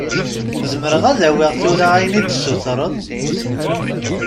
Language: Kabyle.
Zemreɣ ad awiɣ tura ayen i d-tessutreḍ?